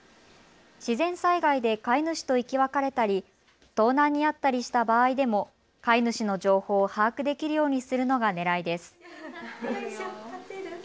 自然災害で飼い主と生き別れたり盗難に遭ったりした場合でも飼い主の情報を把握できるようにするのがねらいです。